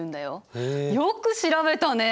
よく調べたね！